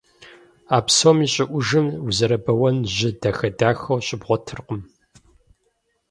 А псом и щӀыӀужым узэрыбэуэн жьы дахэ-дахэу щыбгъуэтыркъым.